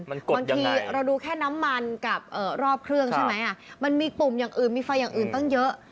บางทีเราดูแค่น้ำมันกับรอบเครื่องใช่ไหมมันมีปุ่มอย่างอื่นมีไฟอย่างอื่นตั้งเยอะ